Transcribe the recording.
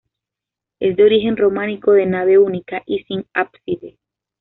Es de origen románico de nave única y sin ábside.